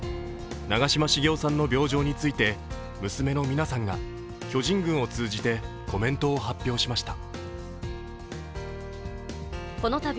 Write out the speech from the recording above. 長嶋茂雄さんの病状について娘の三奈さんが巨人軍を通じてコメントを発表しました。